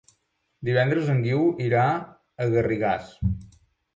Divendres en Guiu irà a Garrigàs.